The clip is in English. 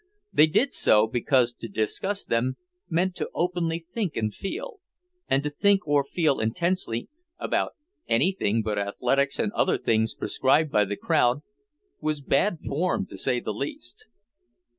They did so because to discuss them meant to openly think and feel, and to think or feel intensely, about anything but athletics and other things prescribed by the crowd, was bad form to say the least.